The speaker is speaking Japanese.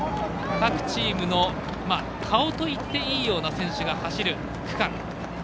各チームの顔といっていいような選手が走る区間。